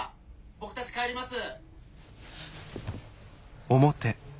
僕たち帰ります。